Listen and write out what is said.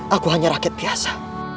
aku hanya rakyat biasa